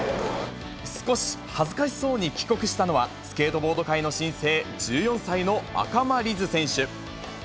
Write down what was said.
少し恥ずかしそうに帰国したのは、スケートボード界の新星、１４歳の赤間凛音選手。